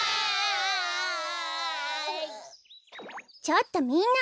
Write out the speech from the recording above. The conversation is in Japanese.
ちょっとみんな！